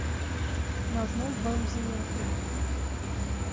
Nós não vamos em um avião.